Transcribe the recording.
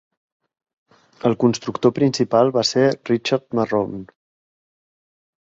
El constructor principal va ser Richard Marrone.